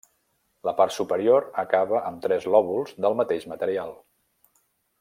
La part superior acaba amb tres lòbuls del mateix material.